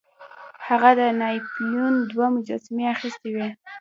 هغه د ناپلیون دوه مجسمې اخیستې وې.